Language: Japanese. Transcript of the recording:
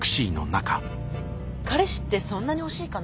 彼氏ってそんなに欲しいかな？